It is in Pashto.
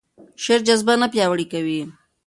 شعر جذبه نه پیاوړې کوي.